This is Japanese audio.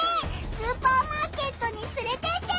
スーパーマーケットにつれてってくれ！